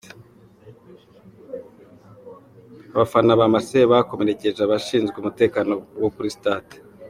Abafana ba Marseille bakomerekeje abashinzwe umutekano wo kuri stade.